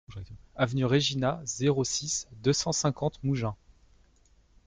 Avenue Regina, zéro six, deux cent cinquante Mougins